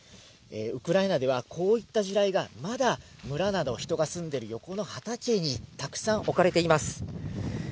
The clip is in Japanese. ウクライナでは、こういった地雷が、まだ、村など人が住んでいる横の畑にたくさん置かれています。